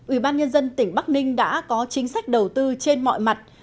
ủy ban nhân dân tỉnh bắc ninh đã có chính sách đầu tư trên mọi mặt